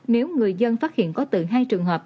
nếu người dân phát hiện có từ hai trường hợp